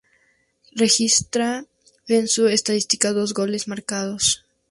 Registra en su estadística dos goles marcados.